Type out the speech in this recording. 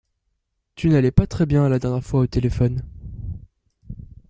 Tu n'allais pas très bien la dernière fois au téléphone.